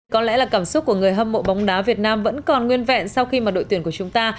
có lẽ là cảm xúc của người hâm mộ bóng đá việt nam vẫn còn nguyên vẹn sau khi mà đội tuyển của chúng ta